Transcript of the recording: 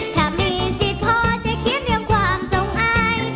ถ้ามีสิทธิ์พอจะคิดเรื่องความทรงอาย